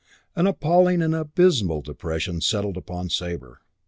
An appalling and abysmal depression settled upon Sabre.